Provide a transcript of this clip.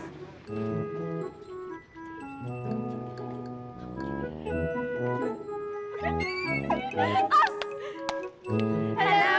gw punya ide bagus